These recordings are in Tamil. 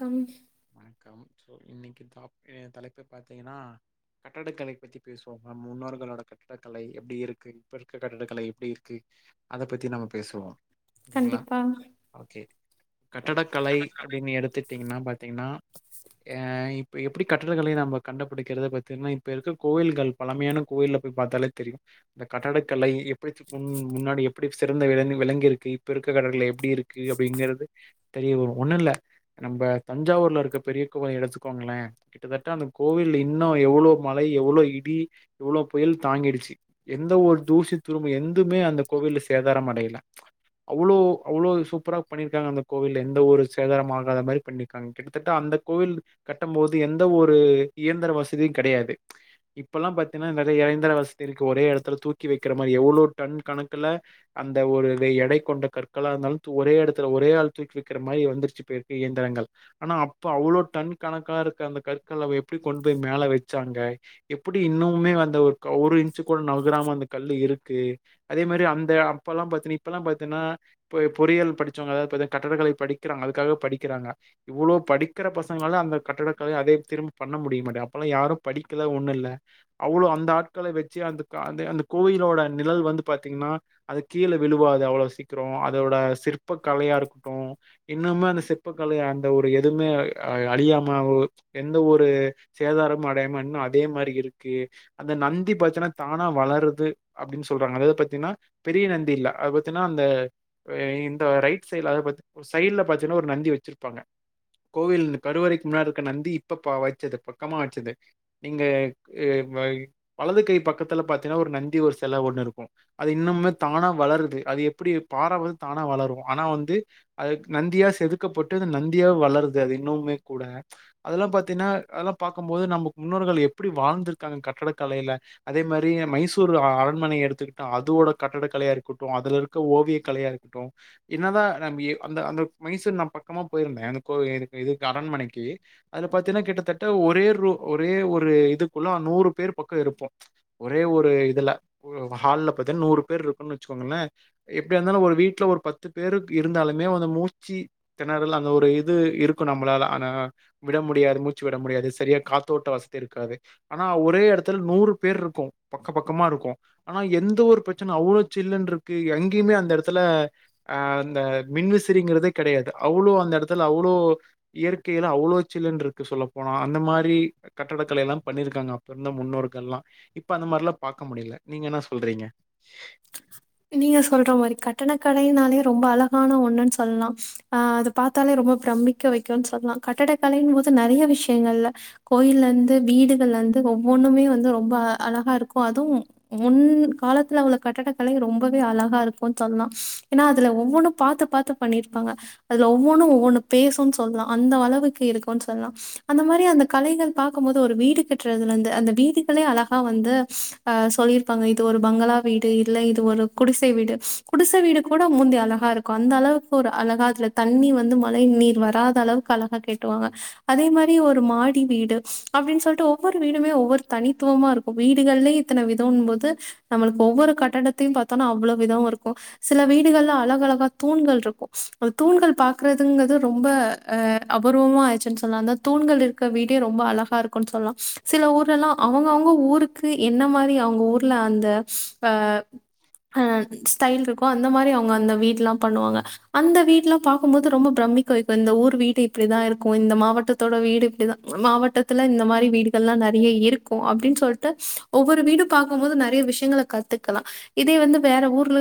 கம் வணக்கம் சோ இன்னக்கி டாப் ஏ தலைப்பு பாத்தீங்கனா கட்டக்கலை பத்தி பேசுவோ நம் முன்னோர்களோட கட்டிடக்கலை எப்டி இருக்கு இப்ப இருக்க கட்டிடக்கலை எப்டி இருக்கு அத பத்தி நம்ம பேசுவோ இல்லா கண்டிப்பா ஓகே கட்டட கலை அப்டின்னு எடுத்துட்டீங்கன்னா ஆ இப்ப எப்டி கட்டதகலை நம்ம கண்டு புடிக்கறது பாத்தீங்கன்னா இப்ப இருக்க கோயில்கள் பழமையான கோயில்ல போயி பாத்தாலே தெரியு இந்த கட்டதக்கலை எப்பிடி முன்னாடி எப்பிடி சிறந்த வெளங்கியிருக்கு இப்ப இருக்க கட எப்பிடி இருக்கு க்கு அப்பிடிங்குறது தெரிய வரும் ஒண்ணும் இல்ல நம்ப தஞ்சாவூர்ல இருக்க பெரிய கோயில எடுத்துக்கோங்களே கிட்டத்தட்ட அந்த கோவில் இன்னும் எவ்ளோ மலை எவ்ளோ இடி எவ்ளோ புயல் தாங்கிடுச்சு எந்த ஒரு தூசி திரும்ப எந்துமே அந்த கோவில்ல சேதாரம் அடையல அவ்ளோ அவ்ளோ சூப்பரா பண்ணிருக்காங்க அந்த கோவில்ல எந்த ஒரு சேதாரம் ஆகாத மாரி பண்ணி கிட்டத்தட்ட அந்த கோயில் கட்டம் போது எந்த ஒரு இயந்திர வசதியும் கெடையாது இப்பெல்லா பாத்தீங்கன்னா நறைய ஏந்திர வசதி இருக்கு ஒரே எடத்துல தூக்கி வைக்கிற மாரி எவ்ளோ டன் கணக்குல அந்த ஒரு இத எடை கொண்ட கற்களா இருந்தாலும் ஒரே எடத்துல ஒரே ஆள் தூக்கி வெக்கிற மாரி வந்துருச்சு போயிருக்கு இயந்திரங்கள் ஆனா அப்ப அவ்ளோ டன் கணக்கா இருக்க அந்த கற்களை அவ எப்டி கொண்டு போய் மேல வச்சாங்க எப்டி இன்னுவுமே அந்த ஒரு ஓரு இஞ்ச் கூட நவுராம அந்த கல்லு இருக்கு அதே மாரி அந்த அப்பெல்லா பாத்தீன்னு இப்பல்லா பாத்தன்னா பொ பொறியியல் படிச்சவங்க அதாவது கட்டடக்கலை படிக்கிறாங்க அதுக்காக படிக்கிறாங்க இவ்ளோ படிக்கற பசங்களாலும் அந்த கட்டடக்கல அதே திரும்ப பண்ண முடிய மாட்டே அப்பெல்லாம் யாரும் படிக்கல ஒண்ணு இல்ல அவ்ளோ அந்த ஆட்கள வச்சு அந்த அந்த அந்த கோவிலோட நிழல் வந்து பாத்தீங்கன்னா அது கீழ விழுவாது அவ்ளோ சீக்கிரம் அதோட சிற்ப கலையா இருக்கட்டும் இன்னுமே அந்த சிற்பக்கலைய அந்த ஒரு எதுவுமே அ அழியாம எந்த ஒரு சேதாரம் அடையாம இன்னும் அதே மாரி இருக்கு அந்த நந்தி பாத்தனா தானா வளருது அப்டின்னு சொல்றாங்க அதாவது பாத்தீங்கன்னா பெரிய நந்தி இல்ல அத பாத்தின்னா அந்த இந்த ரைட் சைடுல அதாவது பாத் சைடு்ல பாத்தீன்னா ஒரு நந்தி வச்சிரு ப்பாங்க கோயில் கருவறைக்கு முன்னாடி இருக்கற நந்தி இப்ப பா வச்சது பக்கமா வச்சது நீங்க ஏ வலது கை பக்கத்துல பாத்தீனா ஒரு நந்தி ஒரு செல ஒன்னு இருக்கோ அது இன்னுமே தானா வளருது அது எப்டி பார வந்து தானா வளரும் ஆனா வந்து அதுக்கு நந்தியா செதுக்கப்பட்டு அது நந்தியா வளருது அது இன்னுமே கூட அதெல்லாம் பாத்தீனா அதெல்லா பாக்கும்போது நமக்கு முன்னோர்கள் எப்டி வாழ்ந்திருக்காங்க கட்டடக்கலையில அதே மாரி மைசூர் அ அரண்மனைய எடுத்துக்கிட்டா அதோட கட்டட கலையா இருக்கட்டும் அதுல இரு ஓவிய கலையா இருக்கட்டும் என்னதா நா ஏ அந்த அந்த மைசூர் ந ப பக்கமா போயிருந்தே அந்த கோ இ இதுக்கு அரண்மனைக்கு அது பாத்தீனா கிட்டத்தட்ட ஒரே ரூ ஒரே ஒரு இதுக்குள்ள நூறு பேர் பக்கம் இருப்போ ஒரே ஒரு இதுல ஒ ஹால்ல பாத்தினா நூறு பேர் இருக்குனு வச்சுக்கோங்களே எப்டியா இருந்தாலும் ஒரு வீட்ல ஒரு பத்து பேரு இருந்தாலுமே வந்த மூச்சி திணறல் அந்த ஒரு இது இருக்கும் நம்பளால ஆனா விட முடியாது மூச்சு விட முடியாது செரியா காத்தோட்ட வசதி இருக்காது ஆனா ஒரே எடத்துல நூறு பேர் இருக்கும் பக்க பக்கமா இருக்கோ ஆனா எந்த ஒரு பிரச்சனை அவ்ளோ சில்லுன்று இருக்கு எங்கேயுமே அந்த எடத்துல அ அந்த மின்விசிறிங்கிறதே கெடையாது அவ்ளோ அந்த எடத்துல அவ்ளோ இயற்கையில அவ்ளோ சில்லுனு இருக்கு சொல்ல போனா அந்த மாரி கட்டடக்கலை எல்லா பண்ணியிருக்காங்க அப்போ இருந்த முன்னோர்கள் எல்லா இப்ப அந்த மாரில்லா பாக்க முடியல நீங்க என்ன சொல்றீங்க நீங்க சொல்ற மாரி கட்டட கலையினாலே ரொம்ப அழகான ஒண்ணுன்னு சொல்லா ஆ அத பாத்தாலே ரொம்ப பிரமிக்க வைக்கும்னு சொல்லா கட்டட கலையின் போது நெறைய விஷயங்கள்ல கோயிலந்து வீடுகள் அந்து ஒவ்வொன்னுமே ரொம்ப அழகா இருக்கோ அதுவு முன் காலத்துல உள்ள கட்டட கலை ரொம்பவே அழகா இருக்கோன் சொன்னா ஏன்னா அதுல ஒவ்வொன்னும் பாத்து பாத்து பண்ணிருப்பாங்க அதுல ஒவ்வோன்னு ஒவ்வொன்னு பேசோன் சொல் லா அந்த அளவுக்கு இருக்கோன்னு சொன்னா அந்த மாரி அந்த கலைகள் பாக்கும்போது ஒரு வீடு கட்டுறதுல இருந்து அந்த வீடுகளே அழகா வந்து ஆ சொல்லிருப்பாங்க இது ஒரு பங்களா வீடு இல்ல இது ஒரு குடிசை வீடு குடிசை வீடு கூட முந்தி அழகா இருக்கோ அந்த அளவுக்கு ஒரு அழகா அதுல தண்ணி வந்து மழை நீர் வராத அளவுக்கு அழகா கெட்டுவாங்க அதே மாரி ஒரு மாடி வீடு அப்டீன்னு சொல்ட்டு ஒவ்வோரு வீடுமே ஒவ்வோரு தனித்துவமா இருக் வீடுகள்லயே இத்தன விதோன்னும் போது நம்புளுக்கு ஒவ்வோரு கட்டடத்தையு பாத்தோனா அவ்வளோ விதோ இருக்கோ சில வீடுகள்ல அழக அழகா தூண்கள் இருக்கோ ஒரு தூண்கள் பாக்குறதுங்கிறது ரொம்ப அ அபூர்வமா ஆயிச்சுன்னு சொல்லா அந்த தூண்கள் இருக்க வீடே ரொம்ப அழகா இருக்கோன்னு சொல்லா சில ஊர்லலா அவுங்க அவுங்க ஊருக்கு என்ன மாரி அவுங்க ஊர்ல அந்த அ அ ஸ்டைல் இர்க்கோ அந்த மாரி அவுங்க அந்த வீட்லா பண்ணுவாங்க அந்த வீட்லா பாக்கும்போது ரொம்ப பிரமிக்க வைக்கோ இந்த ஊர் வீடு இப்டிதா இருக்கோ இந்த மாவட்ட த்தோட வீடு இப்டிதா மாவட்டத்துல இந்த மாரி வீடுகள்லா நறீய இருக்கோ அப்டீனு சொல்ட்டு ஒவ்வோரு வீடு பாக்கும் போது நறைய விஷயங்கள கத்துக்கலா இதே வந்து வேற ஊர்ல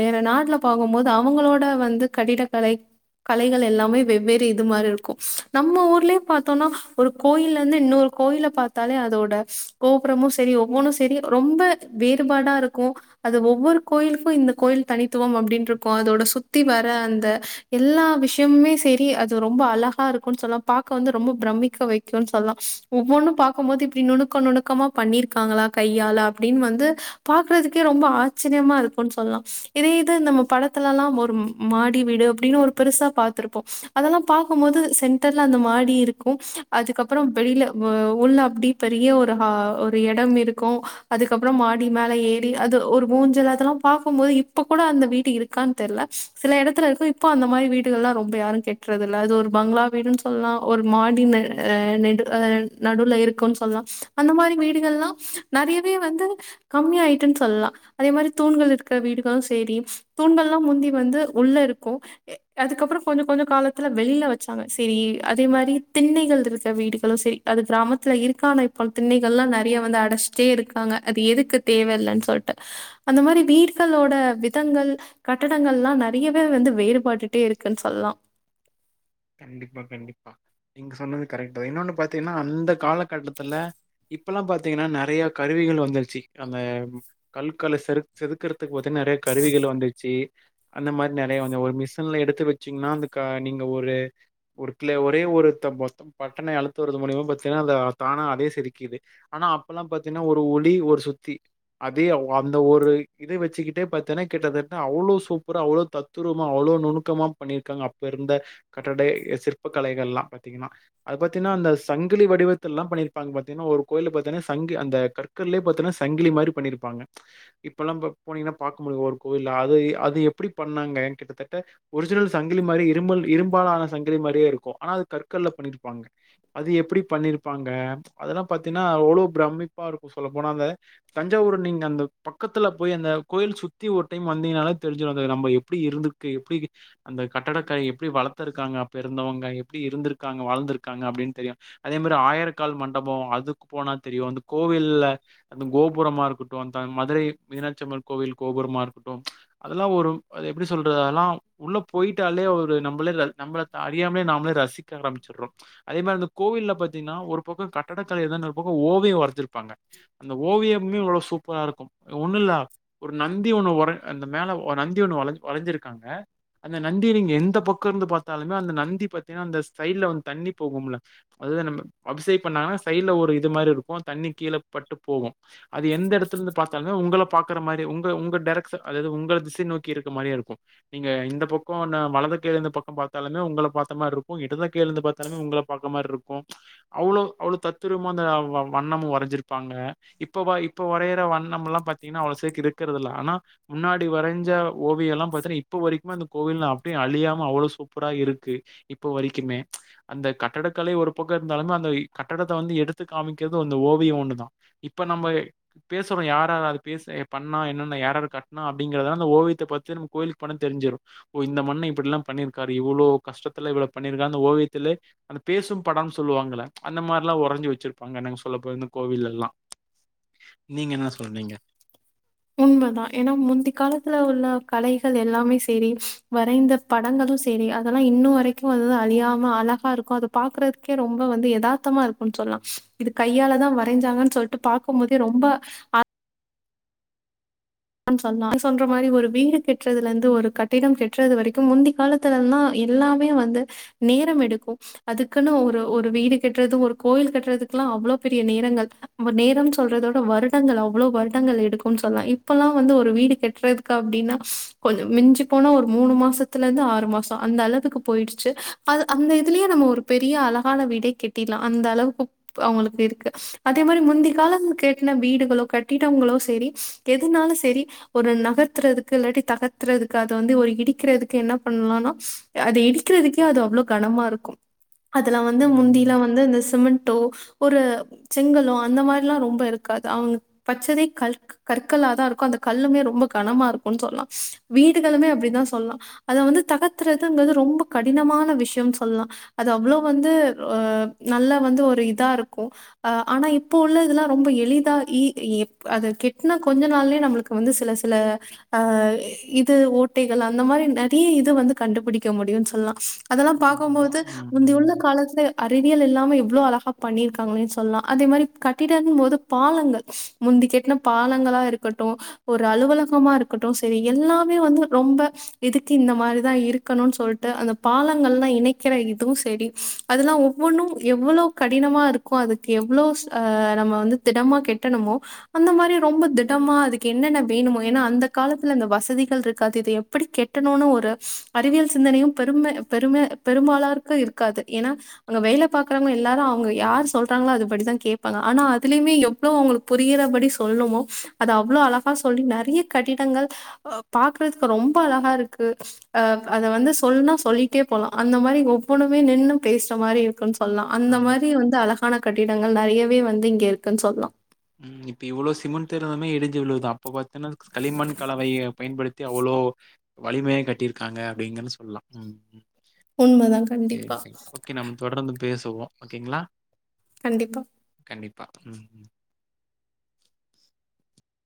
வேற நாட்டுல பாக்கும்போது அவுங்களோட வந்து கட்டிடகலை கலைகள் எல்லாமே வெவ்வேறு இது மாரி இருக்கும் நம்ம ஊர்லயே பாத்தோம்னா ஒரு கோயிலந்து இன்னோரு கோயிலபாத்தாலே அதோட கோபுரமு செரி ஒவ்வோன்னோ செரி ரொம்ப வேறுபாடா இருக்கோ அது ஒவ்வோரு கோயிலுக்கோ இந்த கோயில் தனித்துவம் அப்டீன்னு இருக்கோ அதோட சுத்தி வர அந்த எல்லா விஷயமுமே செரி அது ரொம்ப அழகா இருக்கோன்னு சொல்லலா பாக்க வந்து ரொம்ப பிரமிக்க வைக்கோன்னு சொல்லா ஒவ்வோன்னு பாக்கும் போது இப்டி நுணுக்க நுணுக்கமா பண்ணியிருக்காங்களா கையால அப்டீனு வந்து பாக்றதுக் அப்டியே ரொம்ப ஆச்சரியமா இருக்கோனு சொல்லலா இதே இது நம்ம படத்துலலா ஒரு மாடிவீடு அப்டீனு ஒரு பெருசா பாத்துருப்போ அதெல்லா பாக்கும்போது சென்டர்ல அந்த மாடி இருக்கும் அதுக்கப் அப்புறம் வெளியில ஒ உள்ள அப்டி பெரிய ஒரு ஹ ஒரு எடம் இருக்கோ அதுக்கப்புறோ மாடி மேல ஏ றி அது ஒரு ஊஞ்சலு அதெல்லாபாக்கும்போது இப்ப கூட அந்த வீடு இருக்கான்னு தெர்ல சில எடத்துல இருக் இப்போ அந்த மாரி வீடுகள்லா ரொம்ப யாரோ கெட்றது இல்ல அது ஒரு பங்களா வீடுன்னு சொல்லலா ஒரு மாடி மே அ நெடு அ நடுல இருக்கோன் சொல்லா அந்த மாரி வீடுகள்லா நறையவே வந்து கம்மியாயிட்டன்னு சொல்லா அதே மாரி தூண்கள் இருக்க வீடுகளு செரி தூண்கள்லா முந்தி வந்து உள்ள இருக்கோ எ அதுக்கப்புறோ கொஞ்ச கொஞ்ச காலத்துல வெளியில வெச்சாங்க செரி அதே மாதிரி திண்ணைகள் இருக்க வீடுகளு செரி அது கிராமத்துல இருக்கானு இப்ப திண்ணைகள்லா நறைய வந்து அடைச்சிட்டே இருக்காங்க அது எதுக்கு தேவ இல்லன் சொல்ட்டு அந்த மாரி வீடுகளோட விதங்கள் கட்டடங்கள்லா நறையவே வந்து வேறுபட்டுட்டே இருக்குன்னு சொல்லலா கண்டிப்பா கண்டிப்பா நீங்க சொன்னது கரெக்ட்தா இன்னோன்னு பாத்தீங்கன்னா அந்த காலகட்டத்துல இப்பல்லா பாத்தீங்கன்னா நறைய கருவிகள் வந்துருச்சு அந்த கல்கலை செரு செதுக்கற துக்கு பாத்தா நறைய கருவிகள் வந்துச்சி அந்த மாரி நறைய கொஞ்ச ஒரு மிஷின்ல எடுத்து வெச்சீங்கன்னா அந்த நீங்க ஒரு ஒருக்குள்ள ஒரே ஒருத்த மொத்தோ பட்டணை அழுத்துவது மூலியமா பாத்தீங்கன்னா அந்த தானா அதே சிரிக்குது ஆனா அப்பல்லா பாத்தீங்கன்னா ஒரு ஒலி ஒரு சுத்தி அதே அந்த ஒரு இத வெச்சுக்கிட்டே பாத்தேன்னா கிட்டத்தட்ட அவ்ளோ சூப்பரா அவ்ளோ தத்துரூபமா அவ்ளோ நுணக்கமா பண்ணிருக்காங்க பெருந்த கட்டடை சிற்ப கலைகள்லா பாத்தீங்கன்னா அது பாத்தீன்னா அந்த சங்கிலி வடிவத்த எல்லா பண்ணிருப்பாங்க பாத்தீங்கன்னா ஒரு கோயில பாத்தன்னா சங்கு அந்த க்கள்யே பாத்தோன்னா சங்கிலி மாரி பண்ணிருப்பாங்க இப்பல்லாம் ப போனீங்கன்னா பாக்க முடியு ஒரு கோவில அது அது எப்படி பண்ணாங்க கிட்டத்தட்ட ஒரிஜினல் சங்கிலி மாரி இரும்பல் இரும்பாலான சங்கிலி மாரியே இருக்கு ஆனா அது கற்கள்ள பண்ணிருப்பாங்க அது எப்படி பண்ணிருப்பாங்க அதுலா பாத்தீங்கன்னா அவ்ளோ பிரமிப்பா இருக்கு சொல்ல போனா அந்த தஞ்சாவூர் நீங்க அந்த பக்கத்துல போய் அந்த கோயில் சுத்தி ஒரு டைம் வந்தீங்கன்னாலே தெரிஞ்சிடு அ நம்ம எப்படி இருந்து கே எப்படி அந்த கட்டடத்த எப்படி வளர்த் துருக்காங்க அப்ப இருந்தவங்க எப்படி இருந்திருக்காங்க வாழ்ந்திருக்காங்க அப்படின்னு தெரியு அதே மாரி ஆயிரக்கால் மண்டப அதுக்கு போனா தெரியு அந்த கோவில்ல அந்த கோபுரமா இருக்கட்டு அந்த மதுரை மீனாட்சிம்மன் கோவில் கோபுரமா இருக்கட்டு அதெல்லா ஒரு அது எப்டி சொல்றது அதெல்லா உள்ள போயிட்டாலே ஒரு நம்மளே நம்மள தா அழியாமலே நம்மள ரசிக்க ஆரம்பிச்சுறோ அதே மாரி அந்த கோவில்ல பாத்தீங்கன்னா ஒரு பக்கோ கட்டடக்கல தா ஒரு பக்கோ ஓவியம் வரஞ்சிருப்பாங்க அந்த ஓவியம்மே எவ்வளோ சூப்பரா இருக்கு ஒண்ணு இல்ல ஒரு நந்தி ஒண்ணு உர அந்த மேல நந்தி ஒண்ணு வஞ வளைஞ்சிருக்காங்க அந்த நந்தி நீங்க எந்த பக்கம் இருந்து பாத்தாலுமே அந்த நந்தி பாத்தீங்கன்னா அந்த ஸைடல்ல வந்து தண்ணி போகும்ல அதுதா நம்ம அபிசேக் பண்ணா சைட்ல ஒரு இது மாரி இருக்கு தண்ணி கீழ பட்டு போகு அது எந்த எடத்துல இருந்து பாத்தாலுமே உங்கள பாக்கற மாரி உங்க உங்க டரக்ட் அதது உங்க திசை நோக்கி இருக்க மாரியே இருக்கு நீங்க இந்த பக்கோ நா வலது கைல இந்த பக்க பா த்தாலுமே உங்கள பாத்த மாரி இருக்கு இடத கைழ இருந்து பாத்தாலுமே உங்கள பாக்க மாரி இருக்கு அவ்வளோ அவ்ளவு தத்தூரமா அந்த வ வண்ணம் வரைஞ்சிருப்பாங்க இப்ப வா இப்ப வரையற வண்ணம்லா பாத்தீங்கன்னா அவ்ளவு சேர்க்கு இருக்கிறதுதல்ல ஆனா முன்னாடி வரைஞ்ச ஓவியல்ல பத்தீன்னா இப்ப வரைக்கு அந்த கோவில அழியாம அவளோ சூ புறா இருக்கு இப்போ வரைக்குமே அந்த கட்டிடக்கலை ஒரு பக்கம் இருந்தாலுமே இருந்தாலு போக வனானுஅந்த கட்டடத்த வந்து எடுத்து காமிக்கிறது அந்த ஓவிய ஒண்டுதா இப்ப நம்ம பேசுறோ யாரரு அது பேச பண்ணா என்னன்னா யாரரு கட்டன அப்படிங்கறதால அந்த ஓவியத்தை பத்தி நம்ம கோயிலுக்கு பணா தெரிஞ்சிரு ஓ இந்த மண்ண இப்படில்லா பண்ணியிருக்காரு இவ்ளோ கஷ்டத்துல இவள பண்ணிருக்கா அந்த ஓவியத்துலே அந்த பேசும் படம் சொல்லுவாங்கள அந்த மாரில்லா ஒறைஞ்சு வச்சிருப்பாங்க நாங்க சொல்ல போனா கோவில்ல எல்லா நீங்க என்னா சொல்றீங்க உண்மைதா ஏன்னா முந்தி காலத்துல உள்ள கலைகள் எல்லாமே சரி வரைந்த தடங்களு சேரி அதெல்லா இன்ன வரைக்கு வந்து அழியாமல் அழகா இருக்கு அத பாக்கறதுக்கே ரொம்ப வந்து எதார்த்தமாக இருக்கு கு சொல்லலா இது கையால தா சொல்லிட்டு பார்க்கும்போதே ரொம்ப சொல்லலா நீ சொல்ற மாரி ஒரு வீடு கெட்டுறதுல இருந்து ஒரு கட்டிடம் கெட்டுறது வரைக்கு முந்தி காலத் ல த எல்லாமே வந்து நேரம் எடுக்கு அதுக்குன்னு ஒரு ஒரு வீடு கட்டுறது ஒரு கோவில் கட்டுறதுக்குல்லா அவ்வளவு பெரிய நேரங்கள் பட் நேரம் சொல்றதோட அவ்வளவு வருடங்கள் அவ்ள்ளோ எவ்வளகும்ன்னு சொல்லலா இப்பல்லா வந்து ஒரு வீடு கட்டுறதுக்கு அப்டின்னா கொஞ்ச மிஞ்ச போன ஒரு மூணு மாசத் மாசத்துல இருந்து ஆறு மாச அந்தளவுக்கு போயிடுச்சு அது அந்த இதுலயே நம்ம ஒரு பெரிய அழகான வீடே கட்டி ர்லா அந்த அளவுக்குப் அவங்களுக்கு இருக்கு அதே மாரி முந்தி காலம் கேட்டின வீடுகளோ கட்டிடங்களோ சேரி எதுனாலு சேரி ஒரு நகர்த்தறதுக்கு இல்லாட்டி தகத்தறதுக்கு அத வந்து ஒரு இடிக்கிறதுக்கு என்ன பண்ணலாம்னா அத இடிக்கிறதுக்கே அது அவ்வளோ கனமா இருக்கு அதுலா வந்து ம். முந்திலா வந்து இந்த சிமிண்ட்டோ ஒரு செங்கலோ அந்த மாரிலா ரொம்ப இருக்காது அவங்க பச்சதே கல்க்கு கற்களாதாருக்கு அந்த கல்லுமே ரொம்ப கனமா இருக்கு சொல்லலா வீடுகளுமே அப்டிதா சொல்லலா அத வந்து தகத்தறுது இங்குறது ரொம்ப கடினமான விஷயம்னு சொல்லலா அது அவ்ளோ வந்து அ நல்ல வந்து ஒரு இதா இருக்கு அ ஆனா இப்போ உள்ள இதெல்லா ரொம்ப எளிதா இ எப் அத கெ இன்னு கொஞ்ச நாள்லயே நம்மளுக்கு வந்து சில சில அ இது ஓட்டைகள் அந்த மாரி நெறைய இது வந்து கண்டுபிடிக்க முடியும்னு சொல்லலா அதெல்லா பாக்கு போது உண்மதான். ம், முந்தி உள்ள ம். காலத்லே அறிவியல் இல்லாம எவ்ளோ அழகா பண்ணியிருக்காங்கன்னே சொல்லலா அதே மாரி கட்டிடங்கள் போது பாலங்கள் முந்தி கெட்ன பாலங்களா இருக்கட்டு ஒரு அலுவலகமா இருக்கட்டு சேரி எல்லாமே வந்து ரொம்ப இதுக்கு இந்த மாரிதா இருக்கணுன்னு சொல்ட்டு அந்த பாலங்கள்ல்லா இணைக்கிற இதுவு சேரி அதெல்லா ஒவ்வொண்ணு எவ்வளோ கடினமாருக்கு அதுக்கு எவ்ளோ நம்ம திடமா கெட்டணுமோ அந்த மாரி ரொம்ப திடமா அதுக்கு என்னென்ன வேணுமோ ஏன்னா அந்த காலத்துல அந்த வசதிகள் இருக்காது தெயுப் எப்டி கெட்டணுனு ஒரு அறிவியல் சிந்தனையும் பெருமை பெருமை பெரும்பாலார்க்கு இருக்காது ஏன்னா அங்க வேல பாக்குறவங்க எல்லாரு அவுங்க யாரு சொல்றாங்களோஅதுபடிதான் கேப்பாங்க ஆனா அதுலயுமே எவ்ளவுங்க புரியறபடி சொல்ணுமோ அது அவ்ளோ அழகா சொல்லி நெறைய கட்டிடங்கள் பாக்குறதுக்கு ரொம்ப அழகாருக்கு அ அத வந்து சொல்லனுனா சொல்லிட்டே போலா அந்த மாரி ஒவ்வொண்ணுமே நின்னு பேசுற மாரி இருக்குன்னு சொ சொல்லா அந்த ஆமா. மாரி வந்து அழகான கட்டிடங்கள் நெறையவே வந்து இங்க இருக்குன்னு சொல்லா ம் இப்ப இவ்ளோ சிமெண்ட் திறதமே இடிஞ்சு விழுதா அப்ப பாத்தீங்கன்னா களிமண் கலவைய பயன்படுத்தி அவ்ளோ வலிமையா கட்டியிருக்காங்க அப்டிங்கன்னு சொல்லலா உண்மதான். சேரி கண்டிப்பா, சேரி ஓகே நம்ம தொடர்ந்து பேசுவோ ஓகேங்களா கண்டிப்பா கண்டிப்பா ம் ம்